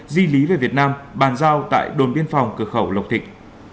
di lý về việt nam bàn giao tại đồn biên phòng cửa khẩu lộc thịnh